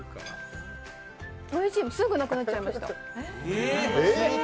おいしいすぐなくなっちゃいました。